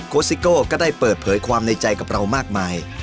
ซิโก้ก็ได้เปิดเผยความในใจกับเรามากมาย